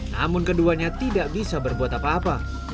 namun keduanya tidak bisa berbuat apa apa